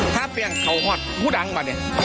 ถ้าเปลี่ยนเขาฮอดผู้ดังมาเนี่ย